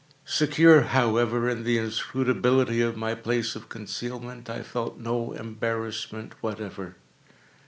Secure, however, in the inscrutability of my place of concealment, I felt no embarrassment whatever.